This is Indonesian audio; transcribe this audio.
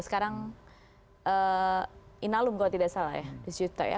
sekarang inalung kalau tidak salah ya